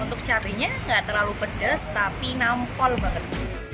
untuk carinya nggak terlalu pedas tapi nampol banget